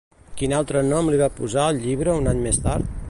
Quin altre nom li va posar al llibre un any més tard?